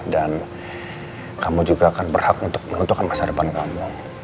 dan kamu juga akan berhak untuk menuntukkan masa depan kamu